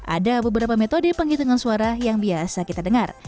ada beberapa metode penghitungan suara yang biasa kita dengar